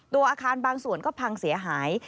ตัวอาคารบางส่วนก็พังเสียหาย